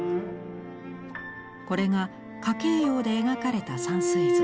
これが夏珪様で描かれた山水図。